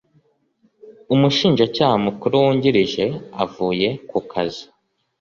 umushinjacyaha mukuru wungirije avuye ku kazi